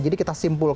jadi kita simpulkan